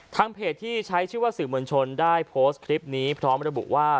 เพจที่ใช้ชื่อว่าสื่อมวลชนได้โพสต์คลิปนี้พร้อมระบุว่า